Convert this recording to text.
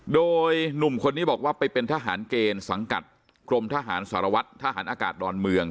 โดยหนุ่มคนนี้บอกว่าไปเป็นทหารเกณฑ์สังกัดกรมทหารสารวัตรทหารอากาศดอนเมือง